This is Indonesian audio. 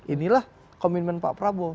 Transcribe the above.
inilah komitmen pak prabowo